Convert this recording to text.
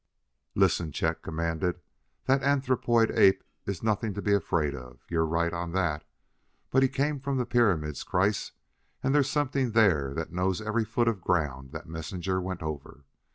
"Listen!" Chet commanded. "That anthropoid ape is nothing to be afraid of: you're right on that. But he came from the pyramid, Kreiss, and there's something there that knows every foot of ground that messenger went over.